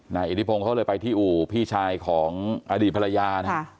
อิทธิพงศ์เขาเลยไปที่อู่พี่ชายของอดีตภรรยานะฮะ